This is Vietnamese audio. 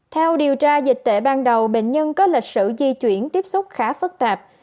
theo điều tra dịch tễ ban đầu bệnh nhân có lịch sử di chuyển tiếp xúc khá phức tạp